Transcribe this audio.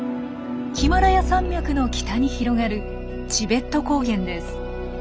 ヒマラヤ山脈の北に広がるチベット高原です。